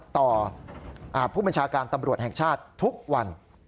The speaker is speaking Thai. ต่อผู้บัญชาการตำรวจแห่งชาติทุกวัน